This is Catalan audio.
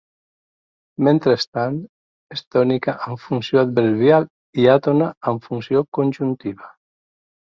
Mentrestant: és tònica amb funció adverbial i àtona amb funció conjuntiva.